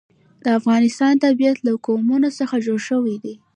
د افغانستان طبیعت له قومونه څخه جوړ شوی دی.